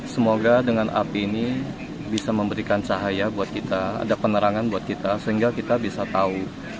semoga dengan api ini bisa memberikan cahaya buat kita ada penerangan buat kita sehingga kita bisa tahu